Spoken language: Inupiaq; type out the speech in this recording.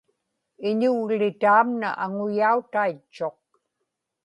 iñugli taamna aŋuyautaitchuq